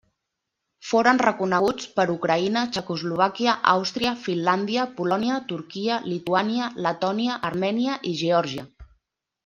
Foren reconeguts per Ucraïna, Txecoslovàquia, Àustria, Finlàndia, Polònia, Turquia, Lituània, Letònia, Armènia i Geòrgia.